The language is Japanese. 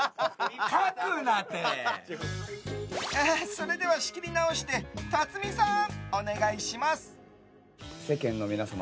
それでは仕切り直して辰巳さん、お願いします。